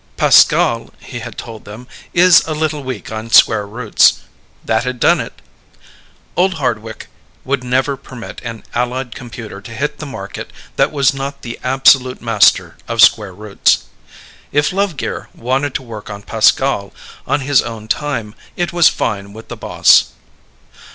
"Pascal," he had told them, "is a little weak on square roots." That had done it! Old Hardwick would never permit an Allied computer to hit the market that was not the absolute master of square roots. If Lovegear wanted to work on Pascal on his own time it was fine with the boss.